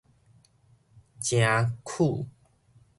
誠 khú